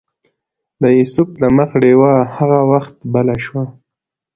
د یوسف د مخ ډیوه هغه وخت بله شوه.